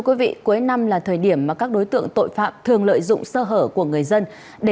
cuối năm là thời điểm mà các đối tượng tội phạm thường lợi dụng sơ hở của người dân